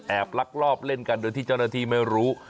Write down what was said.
ลักลอบเล่นกันโดยที่เจ้าหน้าที่ไม่รู้